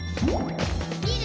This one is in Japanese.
「みる！